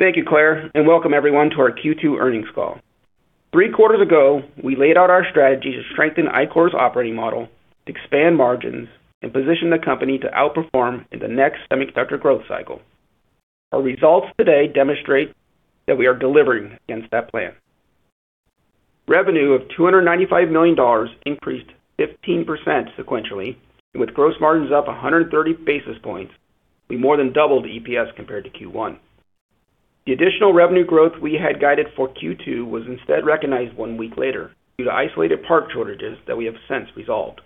Thank you, Claire, and welcome everyone to our Q2 earnings call. Three quarters ago, we laid out our strategy to strengthen Ichor's operating model, expand margins, and position the company to outperform in the next semiconductor growth cycle. Our results today demonstrate that we are delivering against that plan. Revenue of $295 million increased 15% sequentially, and with gross margins up 130 basis points, we more than doubled EPS compared to Q1. The additional revenue growth we had guided for Q2 was instead recognized one week later due to isolated part shortages that we have since resolved,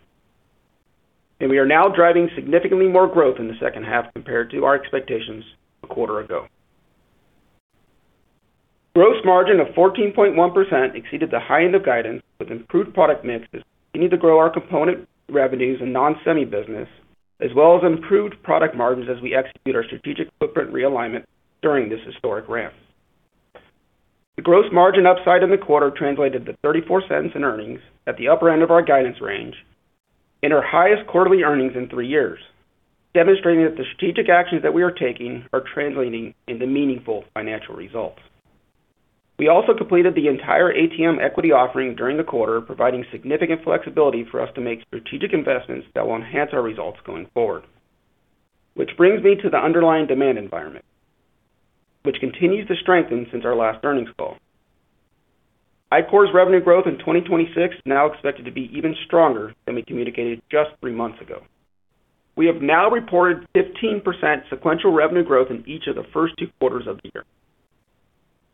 and we are now driving significantly more growth in the second half compared to our expectations a quarter ago. Gross margin of 14.1% exceeded the high end of guidance, with improved product mixes continuing to grow our component revenues and non-semi business, as well as improved product margins as we execute our strategic footprint realignment during this historic ramp. The gross margin upside in the quarter translated to $0.34 in earnings at the upper end of our guidance range and our highest quarterly earnings in three years, demonstrating that the strategic actions that we are taking are translating into meaningful financial results. We also completed the entire ATM equity offering during the quarter, providing significant flexibility for us to make strategic investments that will enhance our results going forward. This brings me to the underlying demand environment, which continues to strengthen since our last earnings call. Ichor's revenue growth in 2026 now expected to be even stronger than we communicated just three months ago. We have now reported 15% sequential revenue growth in each of the first two quarters of the year.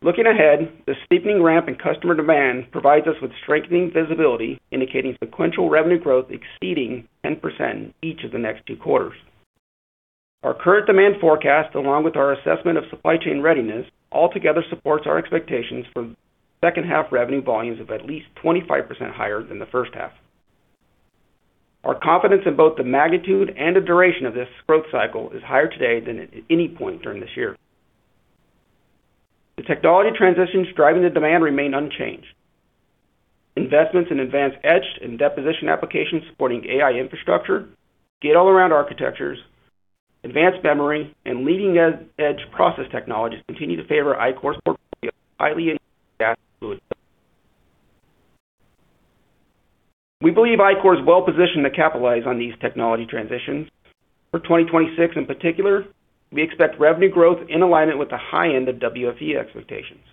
Looking ahead, the steepening ramp in customer demand provides us with strengthening visibility, indicating sequential revenue growth exceeding 10% in each of the next two quarters. Our current demand forecast, along with our assessment of supply chain readiness, altogether supports our expectations for second half revenue volumes of at least 25% higher than the first half. Our confidence in both the magnitude and the duration of this growth cycle is higher today than at any point during this year. The technology transitions driving the demand remain unchanged. Investments in advanced etch and deposition applications supporting AI infrastructure, gate-all-around architectures, advanced memory, and leading-edge process technologies continue to favor Ichor's portfolio of highly. We believe Ichor is well positioned to capitalize on these technology transitions. For 2026 in particular, we expect revenue growth in alignment with the high end of WFE expectations,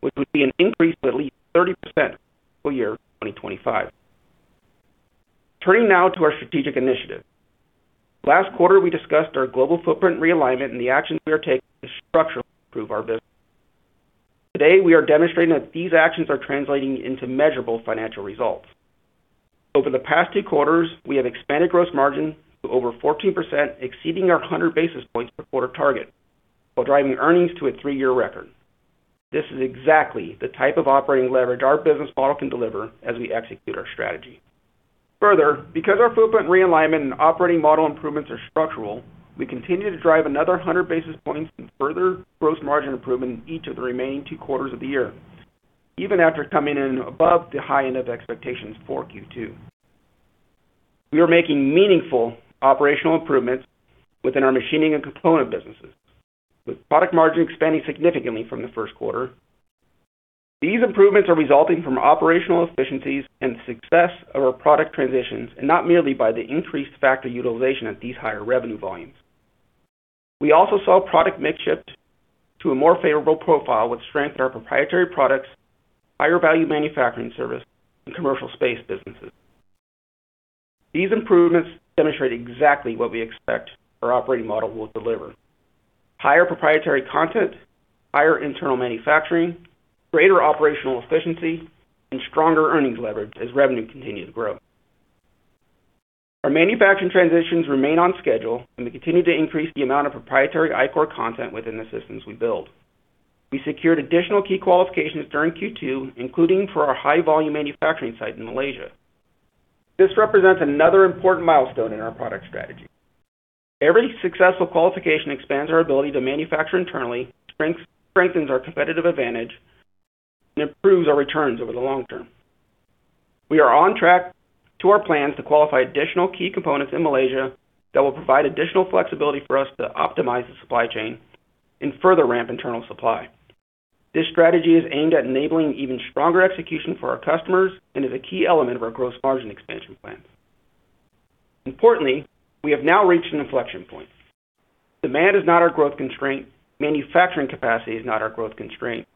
which would be an increase of at least 30% from full year 2025. Turning now to our strategic initiative. Last quarter, we discussed our global footprint realignment and the actions we are taking to structurally improve our business. Today, we are demonstrating that these actions are translating into measurable financial results. Over the past two quarters, we have expanded gross margin to over 14%, exceeding our 100 basis points per quarter target while driving earnings to a three-year record. This is exactly the type of operating leverage our business model can deliver as we execute our strategy. Further, because our footprint realignment and operating model improvements are structural, we continue to drive another 100 basis points in further gross margin improvement in each of the remaining two quarters of the year. Even after coming in above the high end of expectations for Q2. We are making meaningful operational improvements within our machining and component businesses, with product margin expanding significantly from the first quarter. These improvements are resulting from operational efficiencies and the success of our product transitions, and not merely by the increased factor utilization at these higher revenue volumes. We also saw product mix shift to a more favorable profile, which strengthened our proprietary products, higher value manufacturing service, and commercial space businesses. These improvements demonstrate exactly what we expect our operating model will deliver. Higher proprietary content, higher internal manufacturing, greater operational efficiency, and stronger earnings leverage as revenue continues to grow. Our manufacturing transitions remain on schedule, and we continue to increase the amount of proprietary Ichor content within the systems we build. We secured additional key qualifications during Q2, including for our high-volume manufacturing site in Malaysia. This represents another important milestone in our product strategy. Every successful qualification expands our ability to manufacture internally, strengthens our competitive advantage, and improves our returns over the long term. We are on track to our plans to qualify additional key components in Malaysia that will provide additional flexibility for us to optimize the supply chain and further ramp internal supply. This strategy is aimed at enabling even stronger execution for our customers and is a key element of our gross margin expansion plans. Importantly, we have now reached an inflection point. Demand is not our growth constraint. Manufacturing capacity is not our growth constraint.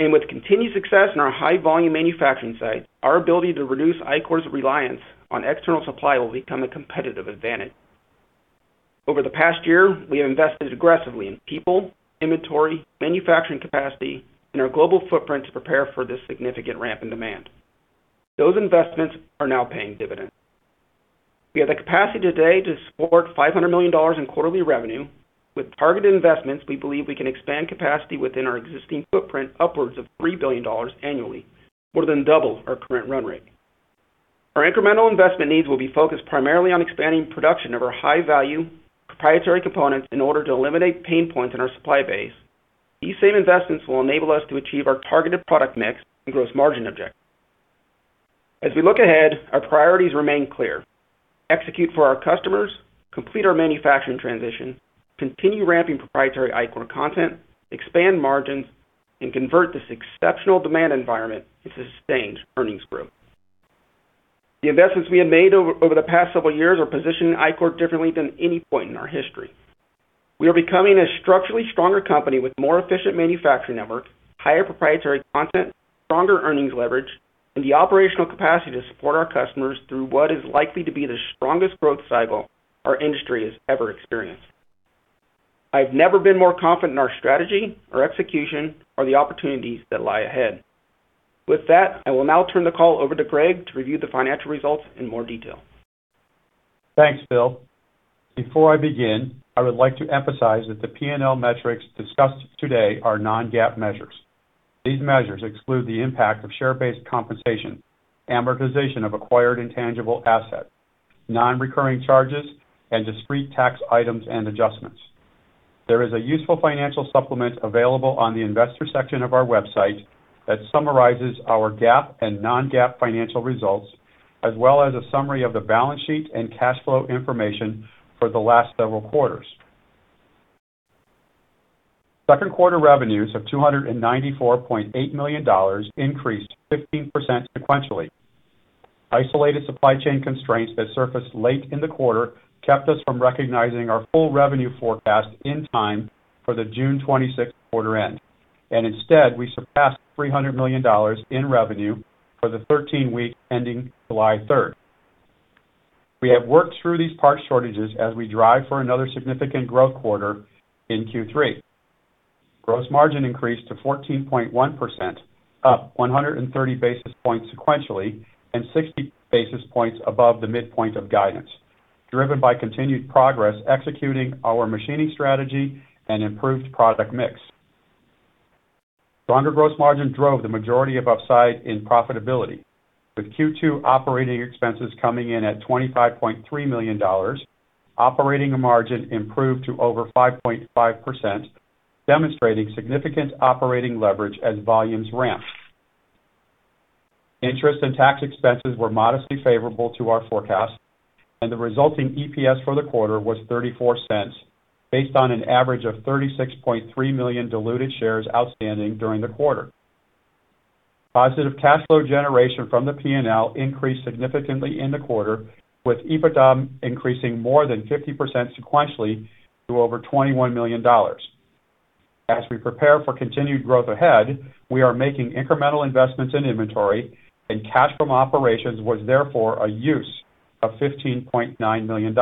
With continued success in our high-volume manufacturing site, our ability to reduce Ichor's reliance on external supply will become a competitive advantage. Over the past year, we have invested aggressively in people, inventory, manufacturing capacity, and our global footprint to prepare for this significant ramp in demand. Those investments are now paying dividends. We have the capacity today to support $500 million in quarterly revenue. With targeted investments, we believe we can expand capacity within our existing footprint upwards of $3 billion annually, more than double our current run rate. Our incremental investment needs will be focused primarily on expanding production of our high-value proprietary components in order to eliminate pain points in our supply base. These same investments will enable us to achieve our targeted product mix and gross margin objectives. As we look ahead, our priorities remain clear. Execute for our customers, complete our manufacturing transition, continue ramping proprietary Ichor content, expand margins, and convert this exceptional demand environment into sustained earnings growth. The investments we have made over the past several years are positioning Ichor differently than any point in our history. We are becoming a structurally stronger company with more efficient manufacturing network, higher proprietary content, stronger earnings leverage, and the operational capacity to support our customers through what is likely to be the strongest growth cycle our industry has ever experienced. I've never been more confident in our strategy, our execution, or the opportunities that lie ahead. With that, I will now turn the call over to Greg to review the financial results in more detail. Thanks, Phil. Before I begin, I would like to emphasize that the P&L metrics discussed today are non-GAAP measures. These measures exclude the impact of share-based compensation, amortization of acquired intangible assets, non-recurring charges, and discrete tax items and adjustments. There is a useful financial supplement available on the investor section of our website that summarizes our GAAP and non-GAAP financial results, as well as a summary of the balance sheet and cash flow information for the last several quarters. Second quarter revenues of $294.8 million increased 15% sequentially. Isolated supply chain constraints that surfaced late in the quarter kept us from recognizing our full revenue forecast in time for the June 26th quarter end, and instead, we surpassed $300 million in revenue for the 13 weeks ending July 3rd. We have worked through these parts shortages as we drive for another significant growth quarter in Q3. Gross margin increased to 14.1%, up 130 basis points sequentially and 60 basis points above the midpoint of guidance, driven by continued progress executing our machining strategy and improved product mix. Stronger gross margin drove the majority of upside in profitability, with Q2 operating expenses coming in at $25.3 million. Operating margin improved to over 5.5%, demonstrating significant operating leverage as volumes ramped. The resulting EPS for the quarter was $0.34, based on an average of 36.3 million diluted shares outstanding during the quarter. Positive cash flow generation from the P&L increased significantly in the quarter, with EBITDA increasing more than 50% sequentially to over $21 million. As we prepare for continued growth ahead, we are making incremental investments in inventory, cash from operations was therefore a use of $15.9 million.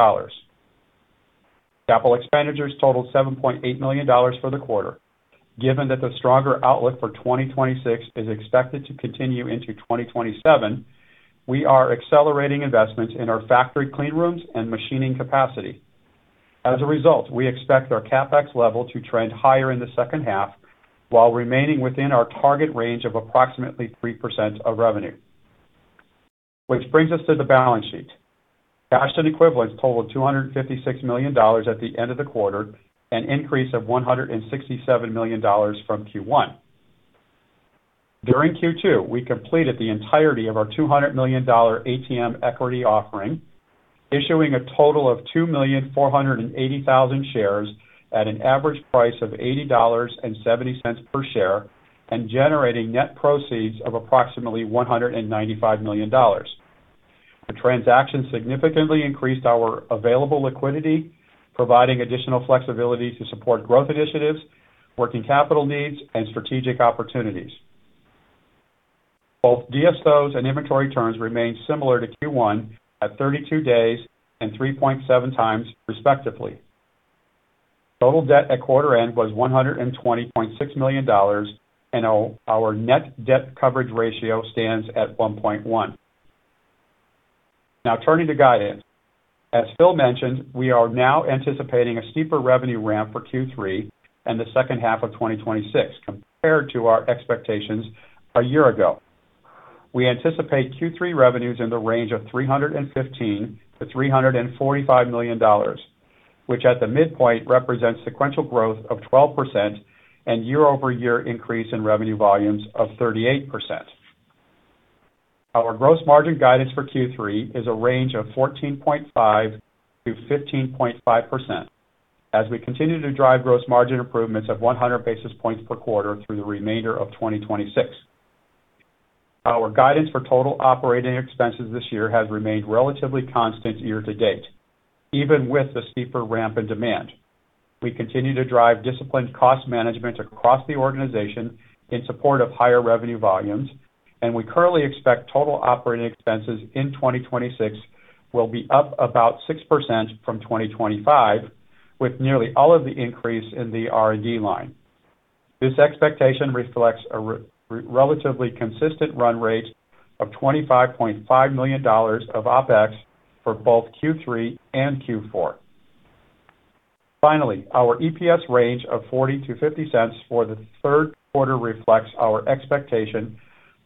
Capital expenditures totaled $7.8 million for the quarter. Given that the stronger outlook for 2026 is expected to continue into 2027, we are accelerating investments in our factory clean rooms and machining capacity. As a result, we expect our CapEx level to trend higher in the second half while remaining within our target range of approximately 3% of revenue. Which brings us to the balance sheet. Cash and equivalents totaled $256 million at the end of the quarter, an increase of $167 million from Q1. During Q2, we completed the entirety of our $200 million ATM equity offering, issuing a total of 2,480,000 shares at an average price of $80.70 per share and generating net proceeds of approximately $195 million. The transaction significantly increased our available liquidity, providing additional flexibility to support growth initiatives, working capital needs, and strategic opportunities. Both DSOs and inventory turns remained similar to Q1 at 32 days and 3.7 times, respectively. Total debt at quarter end was $120.6 million, our net debt coverage ratio stands at 1.1. Turning to guidance. As Phil mentioned, we are now anticipating a steeper revenue ramp for Q3 and the second half of 2026 compared to our expectations a year ago. We anticipate Q3 revenues in the range of $315 million-$345 million, which at the midpoint represents sequential growth of 12% and year-over-year increase in revenue volumes of 38%. Our gross margin guidance for Q3 is a range of 14.5%-15.5%, as we continue to drive gross margin improvements of 100 basis points per quarter through the remainder of 2026. Our guidance for total operating expenses this year has remained relatively constant year to date, even with the steeper ramp in demand. We continue to drive disciplined cost management across the organization in support of higher revenue volumes. We currently expect total operating expenses in 2026 will be up about 6% from 2025, with nearly all of the increase in the R&D line. This expectation reflects a relatively consistent run rate of $25.5 million of OpEx for both Q3 and Q4. Finally, our EPS range of $0.40-$0.50 for the third quarter reflects our expectation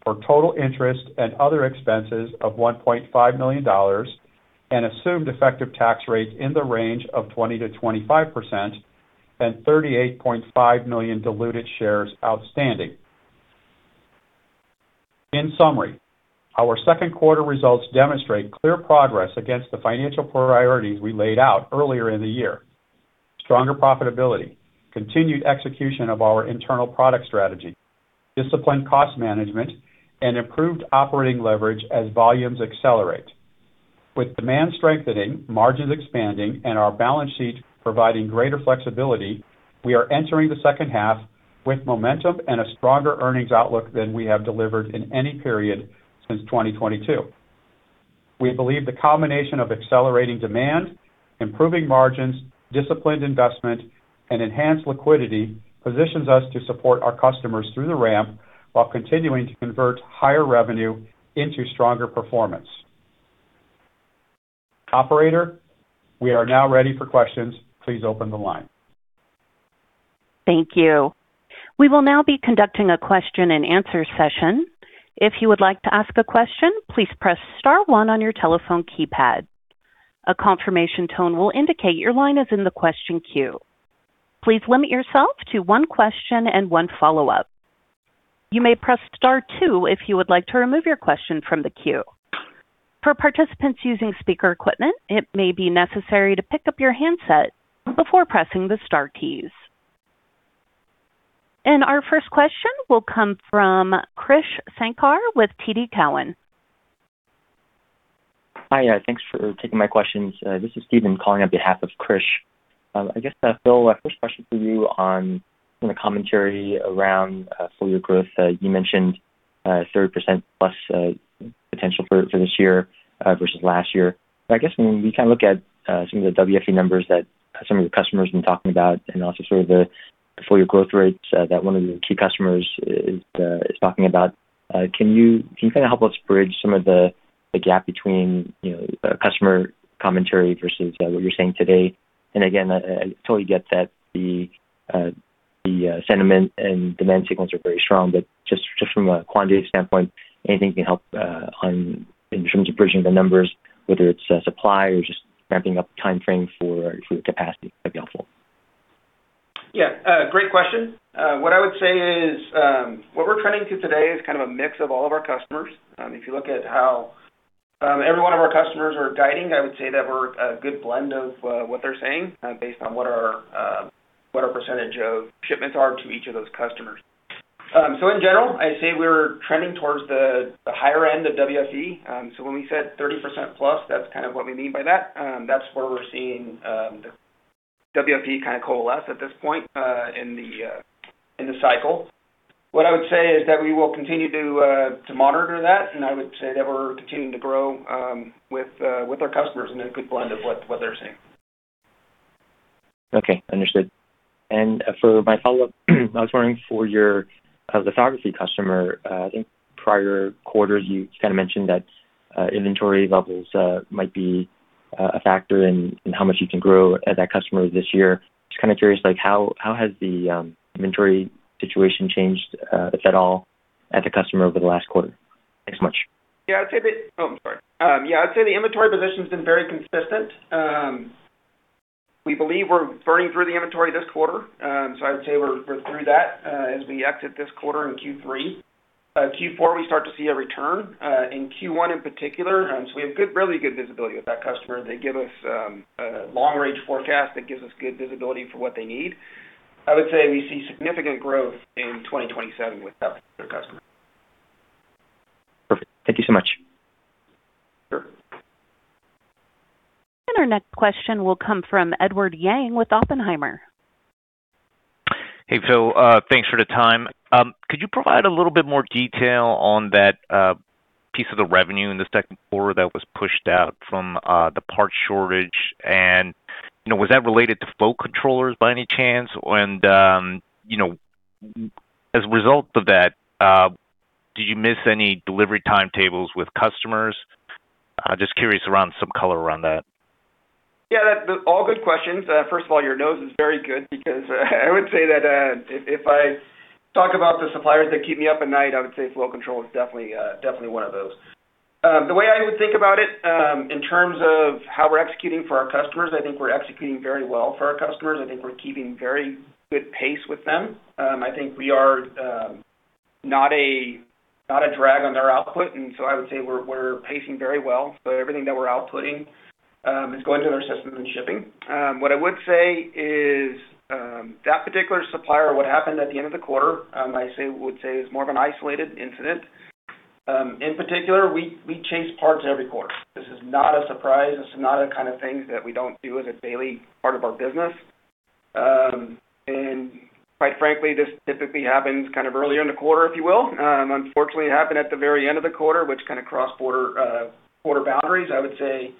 for total interest and other expenses of $1.5 million and assumed effective tax rates in the range of 20%-25%. 38.5 million diluted shares outstanding. In summary, our second quarter results demonstrate clear progress against the financial priorities we laid out earlier in the year. Stronger profitability, continued execution of our internal product strategy, disciplined cost management, and improved operating leverage as volumes accelerate. With demand strengthening, margins expanding, and our balance sheet providing greater flexibility, we are entering the second half with momentum and a stronger earnings outlook than we have delivered in any period since 2022. We believe the combination of accelerating demand, improving margins, disciplined investment, and enhanced liquidity positions us to support our customers through the ramp while continuing to convert higher revenue into stronger performance. Operator, we are now ready for questions. Please open the line. Thank you. We will now be conducting a question and answer session. If you would like to ask a question, please press star one on your telephone keypad. A confirmation tone will indicate your line is in the question queue. Please limit yourself to one question and one follow-up. You may press star two if you would like to remove your question from the queue. For participants using speaker equipment, it may be necessary to pick up your handset before pressing the star keys. Our first question will come from Krish Sankar with TD Cowen. Hi. Thanks for taking my questions. This is Steven calling on behalf of Krish. I guess, Phil, first question for you on the commentary around full year growth. You mentioned 30%+ potential for this year versus last year. I guess when we look at some of the WFE numbers that some of your customers have been talking about, and also sort of the full year growth rates that one of your key customers is talking about, can you help us bridge some of the gap between customer commentary versus what you're saying today? Again, totally get that the sentiment and demand signals are very strong, but just from a quantitative standpoint, anything can help in terms of bridging the numbers, whether it's supply or just ramping up the timeframe for capacity would be helpful. Yeah. Great question. What I would say is, what we're trending to today is kind of a mix of all of our customers. If you look at how every one of our customers are guiding, I would say that we're a good blend of what they're saying based on what our percentage of shipments are to each of those customers. In general, I'd say we're trending towards the higher end of WFE. When we said 30%+, that's kind of what we mean by that. That's where we're seeing the WFE kind of coalesce at this point in the cycle. What I would say is that we will continue to monitor that, and I would say that we're continuing to grow with our customers in a good blend of what they're seeing. Okay. Understood. For my follow-up, I was wondering for your lithography customer, I think prior quarters you kind of mentioned that inventory levels might be a factor in how much you can grow that customer this year. Just kind of curious, how has the inventory situation changed, if at all, at the customer over the last quarter? Thanks so much. I'd say the inventory position's been very consistent. We believe we're burning through the inventory this quarter. I'd say we're through that as we exit this quarter in Q3. Q4, we start to see a return, in Q1 in particular. We have really good visibility with that customer. They give us a long-range forecast that gives us good visibility for what they need. I would say we see significant growth in 2027 with that particular customer. Perfect. Thank you so much. Sure. Our next question will come from Edward Yang with Oppenheimer. Hey, Phil. Thanks for the time. Could you provide a little bit more detail on that piece of the revenue in the second quarter that was pushed out from the parts shortage, and was that related to flow controllers by any chance? As a result of that, did you miss any delivery timetables with customers? Just curious around some color around that. Yeah, all good questions. First of all, your nose is very good because I would say that if I talk about the suppliers that keep me up at night, I would say flow control is definitely one of those. The way I would think about it, in terms of how we're executing for our customers, I think we're executing very well for our customers. I think we're keeping very good pace with them. I think we are not a drag on their output, and so I would say we're pacing very well. Everything that we're outputting is going through their system and shipping. What I would say is, that particular supplier, what happened at the end of the quarter, I would say is more of an isolated incident. In particular, we chase parts every quarter. This is not a surprise. This is not a kind of thing that we don't do as a daily part of our business. Quite frankly, this typically happens kind of earlier in the quarter, if you will. Unfortunately, it happened at the very end of the quarter, which kind of crossed quarter boundaries. I would say,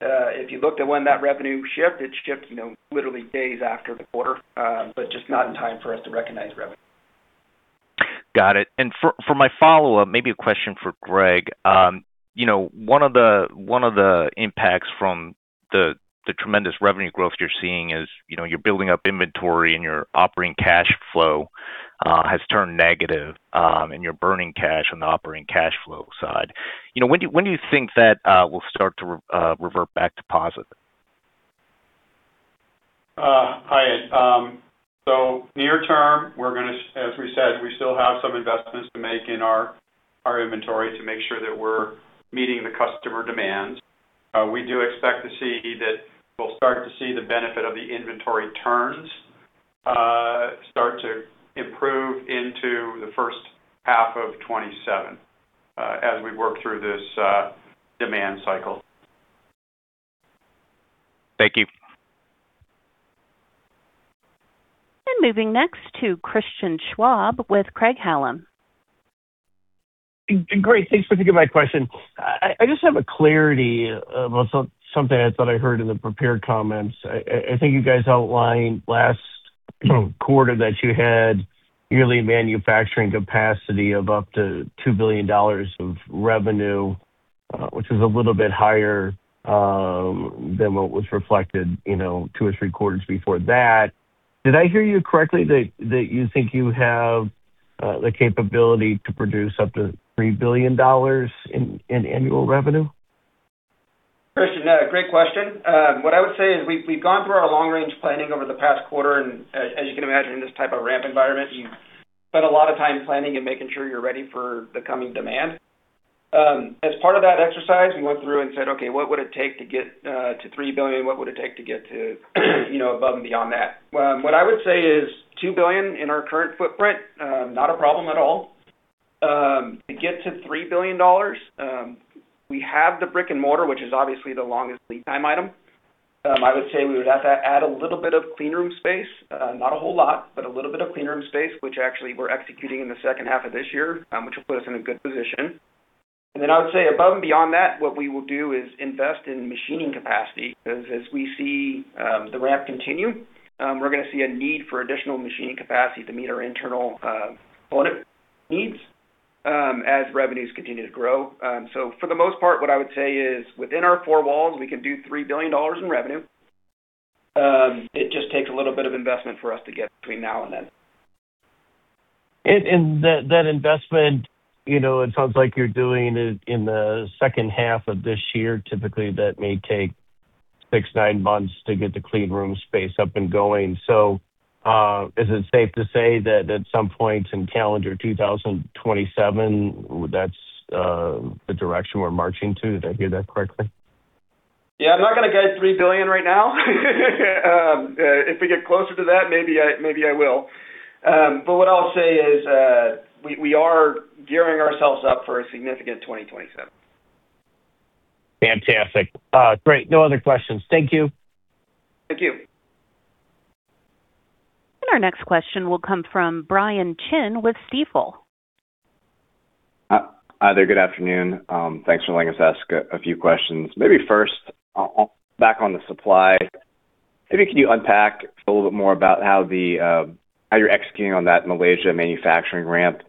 if you looked at when that revenue shipped, it shipped literally days after the quarter, but just not in time for us to recognize revenue. Got it. For my follow-up, maybe a question for Greg. One of the impacts from the tremendous revenue growth you're seeing is you're building up inventory and your operating cash flow has turned negative and you're burning cash on the operating cash flow side. When do you think that will start to revert back to positive? Hi. Near term, as we said, we still have some investments to make in our inventory to make sure that we're meeting the customer demands. We do expect to see that we'll start to see the benefit of the inventory turns start to improve into the first half of 2027 as we work through this demand cycle. Thank you. Moving next to Christian Schwab with Craig-Hallum. Great. Thanks for taking my question. I just have a clarity about something I thought I heard in the prepared comments. I think you guys outlined last quarter that you had yearly manufacturing capacity of up to $2 billion of revenue, which is a little bit higher than what was reflected two or three quarters before that. Did I hear you correctly that you think you have the capability to produce up to $3 billion in annual revenue? Christian, great question. What I would say is we've gone through our long-range planning over the past quarter. As you can imagine, in this type of ramp environment, you spend a lot of time planning and making sure you're ready for the coming demand. As part of that exercise, we went through and said, "Okay, what would it take to get to $3 billion? What would it take to get to above and beyond that?" What I would say is $2 billion in our current footprint, not a problem at all. To get to $3 billion, we have the brick and mortar, which is obviously the longest lead time item. I would say we would have to add a little bit of clean room space. Not a whole lot, but a little bit of clean room space, which actually we're executing in the second half of this year, which will put us in a good position. Then I would say above and beyond that, what we will do is invest in machining capacity, because as we see the ramp continue, we're going to see a need for additional machining capacity to meet our internal needs as revenues continue to grow. For the most part, what I would say is within our four walls, we can do $3 billion in revenue. It just takes a little bit of investment for us to get between now and then. That investment, it sounds like you're doing it in the second half of this year. Typically, that may take six, nine months to get the clean room space up and going. Is it safe to say that at some point in calendar 2027, that's the direction we're marching to? Did I hear that correctly? Yeah. I'm not going to guide $3 billion right now. If we get closer to that, maybe I will. What I'll say is we are gearing ourselves up for a significant 2027. Fantastic. Great. No other questions. Thank you. Thank you. Our next question will come from Brian Chin with Stifel. Hi there. Good afternoon. Thanks for letting us ask a few questions. Maybe first, back on the supply, maybe can you unpack a little bit more about how you're executing on that Malaysia manufacturing ramp?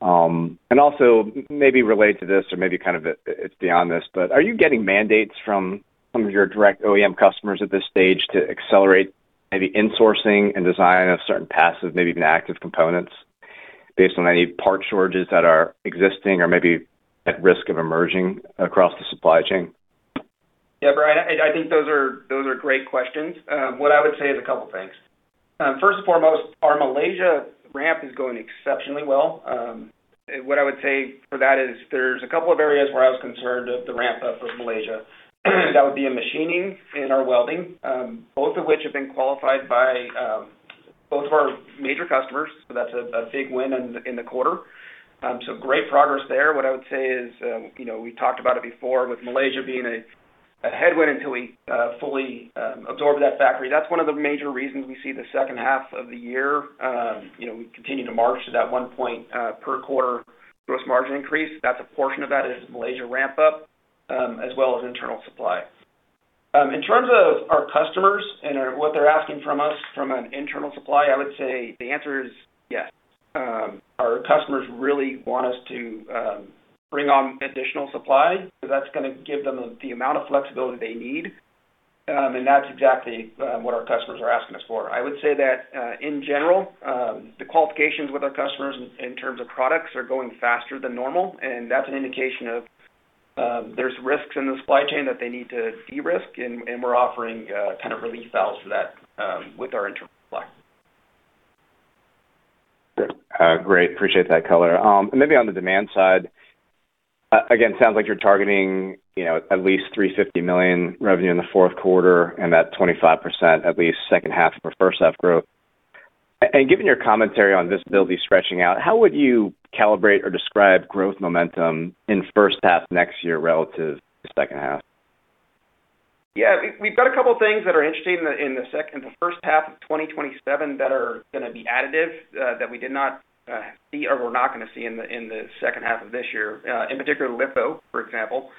Also maybe related to this or maybe it's beyond this, but are you getting mandates from some of your direct OEM customers at this stage to accelerate maybe insourcing and design of certain passive, maybe even active components based on any part shortages that are existing or maybe at risk of emerging across the supply chain? Yeah, Brian, I think those are great questions. What I would say is a couple of things. First and foremost, our Malaysia ramp is going exceptionally well. What I would say for that is there's a couple of areas where I was concerned of the ramp up for Malaysia. That would be in machining and our welding, both of which have been qualified by both of our major customers. That's a big win in the quarter. Great progress there. What I would say is we talked about it before with Malaysia being a headwind until we fully absorb that factory. That's one of the major reasons we see the second half of the year. We continue to march to that one point per quarter gross margin increase. A portion of that is Malaysia ramp up, as well as internal supply. In terms of our customers and what they're asking from us from an internal supply, I would say the answer is yes. Our customers really want us to bring on additional supply because that's going to give them the amount of flexibility they need, and that's exactly what our customers are asking us for. I would say that in general, the qualifications with our customers in terms of products are going faster than normal, and that's an indication of there's risks in the supply chain that they need to de-risk, and we're offering kind of relief valves for that with our internal supply. Great. Appreciate that color. Maybe on the demand side, again, sounds like you're targeting at least $350 million revenue in the fourth quarter and that 25% at least second half for first half growth. Given your commentary on visibility stretching out, how would you calibrate or describe growth momentum in first half next year relative to second half? Yeah. We've got a couple of things that are interesting in the first half of 2027 that are going to be additive that we did not see or we're not going to see in the second half of this year. In particular litho, for example.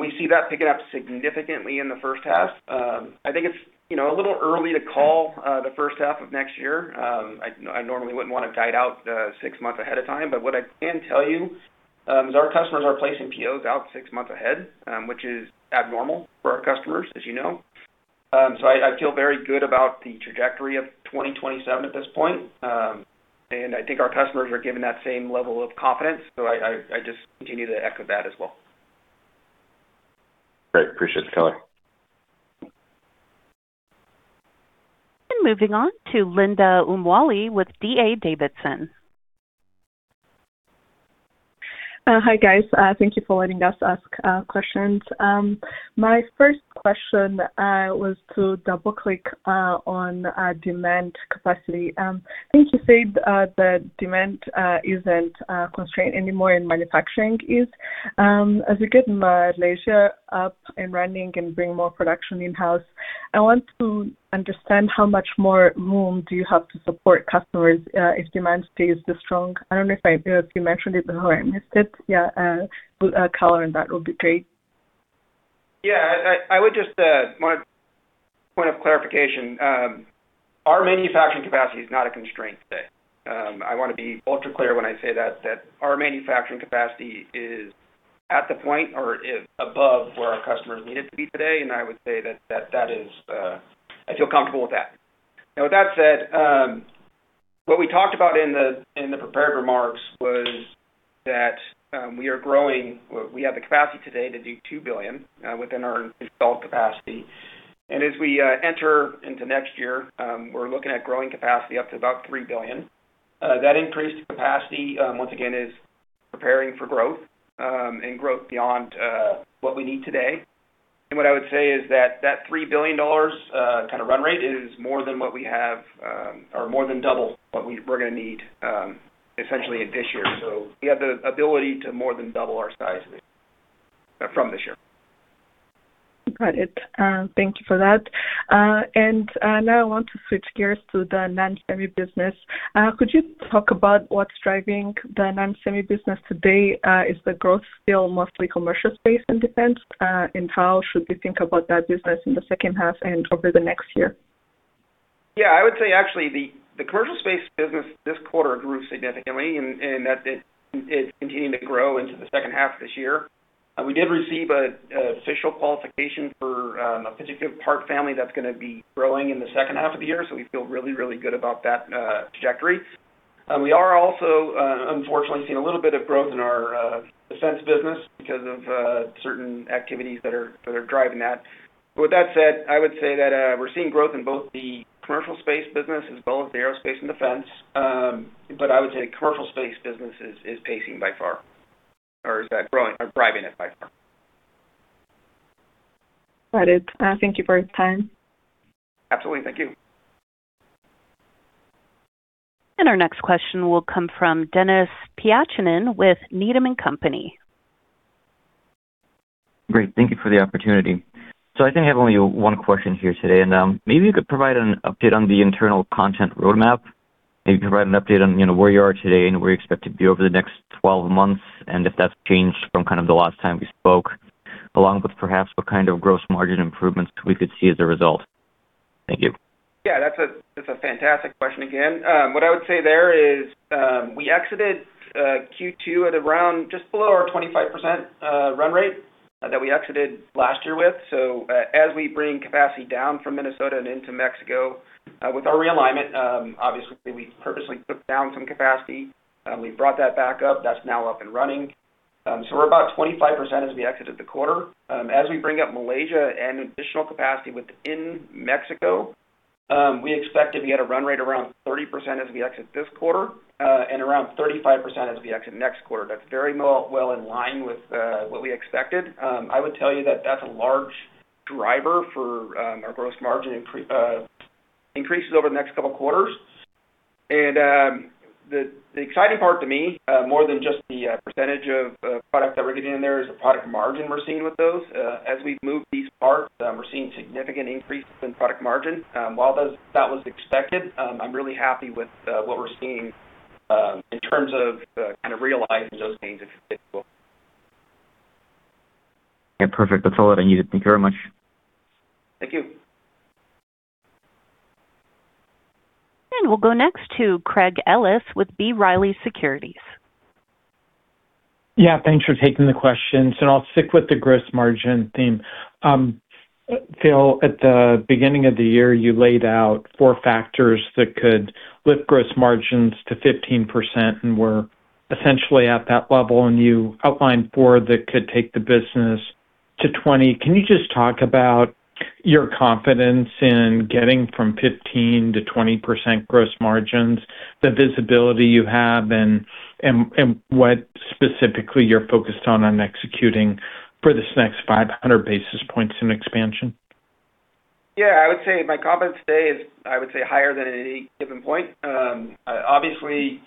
We see that picking up significantly in the first half. I think it's a little early to call the first half of next year. I normally wouldn't want to guide out six months ahead of time, but what I can tell you is our customers are placing POs out six months ahead, which is abnormal for our customers, as you know. I feel very good about the trajectory of 2027 at this point. I think our customers are given that same level of confidence. I just continue to echo that as well. Great. Appreciate the color. Moving on to Linda Umwali with D.A. Davidson. Hi, guys. Thank you for letting us ask questions. My first question was to double-click on demand capacity. I think you said that demand isn't a constraint anymore and manufacturing is. As we get Malaysia up and running and bring more production in-house, I want to understand how much more room do you have to support customers if demand stays this strong? I don't know if you mentioned it before, I missed it. Color on that would be great. Yeah. One point of clarification. Our manufacturing capacity is not a constraint today. I want to be ultra clear when I say that our manufacturing capacity is at the point or is above where our customers need it to be today, and I would say that I feel comfortable with that. With that said, what we talked about in the prepared remarks was that we are growing. We have the capacity today to do $2 billion within our installed capacity. As we enter into next year, we're looking at growing capacity up to about $3 billion. That increased capacity, once again, is preparing for growth, and growth beyond what we need today. What I would say is that $3 billion kind of run rate is more than what we have, or more than double what we're going to need essentially in this year. We have the ability to more than double our size from this year. Got it. Thank you for that. Now I want to switch gears to the non-semi business. Could you talk about what's driving the non-semi business today? Is the growth still mostly commercial space and defense? How should we think about that business in the second half and over the next year? Yeah, I would say actually the commercial space business this quarter grew significantly, and that it's continuing to grow into the second half of this year. We did receive an official qualification for a particular part family that's going to be growing in the second half of the year. We feel really, really good about that trajectory. We are also unfortunately seeing a little bit of growth in our defense business because of certain activities that are driving that. With that said, I would say that we're seeing growth in both the commercial space business as well as the aerospace and defense. I would say the commercial space business is pacing by far, or is growing or driving it by far. Got it. Thank you for your time. Absolutely. Thank you. Our next question will come from Denis Pyatchanin with Needham & Company. Great. Thank you for the opportunity. I think I have only one question here today, maybe you could provide an update on the internal content roadmap. Maybe provide an update on where you are today and where you expect to be over the next 12 months, if that's changed from kind of the last time we spoke, along with perhaps what kind of gross margin improvements we could see as a result. Thank you. Yeah. That's a fantastic question again. What I would say there is, we exited Q2 at around just below our 25% run rate that we exited last year with. As we bring capacity down from Minnesota and into Mexico with our realignment, obviously we purposely took down some capacity. We brought that back up. That's now up and running. We're about 25% as we exited the quarter. As we bring up Malaysia and additional capacity within Mexico, we expect to be at a run rate around 30% as we exit this quarter, and around 35% as we exit next quarter. That's very well in line with what we expected. I would tell you that that's a large driver for our gross margin increases over the next couple of quarters. The exciting part to me, more than just the percentage of product that we're getting in there is the product margin we're seeing with those. As we've moved these parts, we're seeing significant increases in product margin. While that was expected, I'm really happy with what we're seeing in terms of kind of realizing those gains as we speak. Yeah, perfect. That's all that I needed. Thank you very much. Thank you. We'll go next to Craig Ellis with B. Riley Securities. Yeah, thanks for taking the questions. I'll stick with the gross margin theme. Phil, at the beginning of the year, you laid out four factors that could lift gross margins to 15% and were essentially at that level, and you outlined four that could take the business to 20%. Can you just talk about your confidence in getting from 15%-20% gross margins, the visibility you have, and what specifically you're focused on executing for this next 500 basis points in expansion? Yeah. I would say my confidence today is I would say higher than at any given point. Obviously,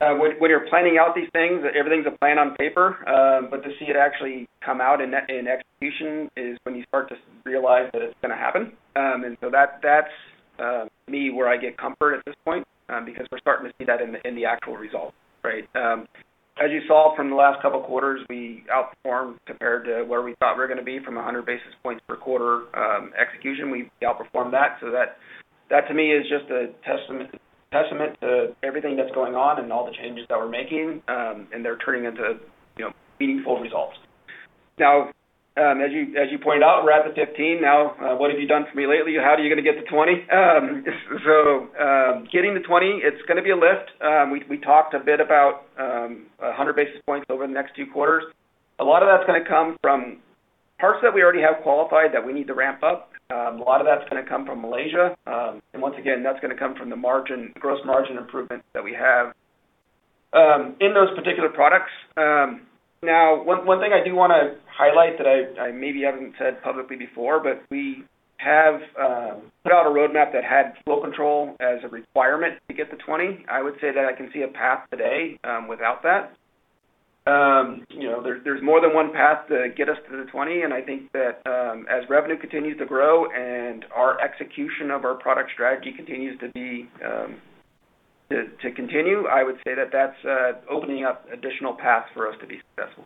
when you're planning out these things, everything's a plan on paper. To see it actually come out in execution is when you start to realize that it's going to happen. That's me where I get comfort at this point, because we're starting to see that in the actual results, right? As you saw from the last couple of quarters, we outperformed compared to where we thought we were going to be from 100 basis points per quarter execution. We outperformed that. That to me is just a testament to everything that's going on and all the changes that we're making, and they're turning into meaningful results. As you pointed out, we're at the 15% now, what have you done for me lately? How are you going to get to 20%? Getting to 20%, it's going to be a lift. We talked a bit about 100 basis points over the next two quarters. A lot of that's going to come from parts that we already have qualified that we need to ramp up. A lot of that's going to come from Malaysia. Once again, that's going to come from the gross margin improvement that we have in those particular products. One thing I do want to highlight that I maybe haven't said publicly before, we have put out a roadmap that had flow control as a requirement to get to 20%. I would say that I can see a path today, without that. There's more than one path to get us to the 20%. I think that as revenue continues to grow and our execution of our product strategy continues to continue, I would say that that's opening up additional paths for us to be successful.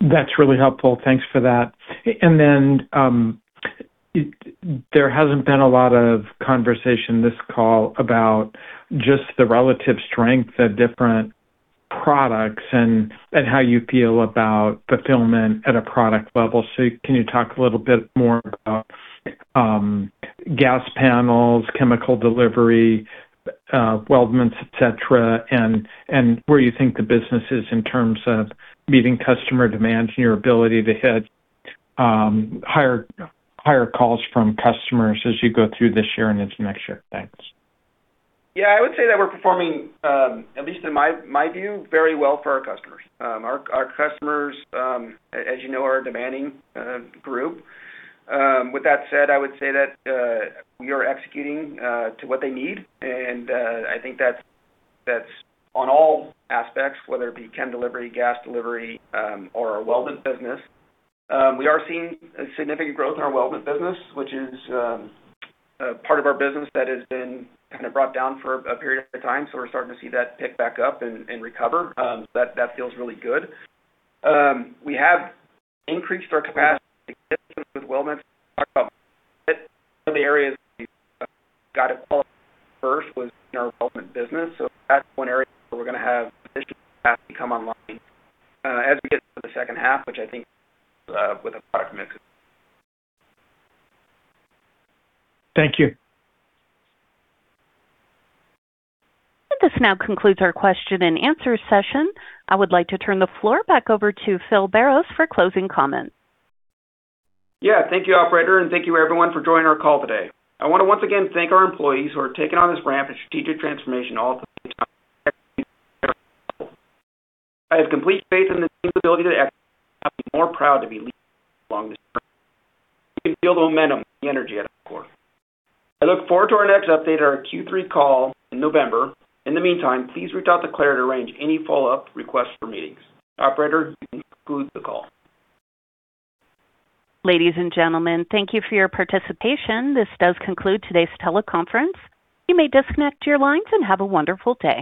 That's really helpful. Thanks for that. Then, there hasn't been a lot of conversation this call about just the relative strength of different products and how you feel about fulfillment at a product level. Can you talk a little bit more about gas panels, chemical delivery, weldments, et cetera, and where you think the business is in terms of meeting customer demands and your ability to hit higher calls from customers as you go through this year and into next year? Thanks. Yeah, I would say that we're performing, at least in my view, very well for our customers. Our customers, as you know, are a demanding group. With that said, I would say that we are executing to what they need, and I think that's on all aspects, whether it be chemical delivery, gas delivery, or our weldment business. We are seeing a significant growth in our weldment business, which is part of our business that has been kind of brought down for a period of time. We're starting to see that pick back up and recover. That feels really good. We have increased our capacity with weldments. One of the areas we got it first was in our weldment business. That's one area where we're going to have additional capacity come online as we get to the second half, which I think with a product mix. Thank you. This now concludes our question and answer session. I would like to turn the floor back over to Phil Barros for closing comments. Thank you, operator, thank you everyone for joining our call today. I want to once again thank our employees who are taking on this ramp of strategic transformation all at the same time. I have complete faith in this team's ability to execute. I'm more proud to be leading along this journey. You can feel the momentum, the energy at our core. I look forward to our next update, our Q3 call in November. In the meantime, please reach out to Claire to arrange any follow-up requests for meetings. Operator, you may conclude the call. Ladies and gentlemen, thank you for your participation. This does conclude today's teleconference. You may disconnect your lines and have a wonderful day.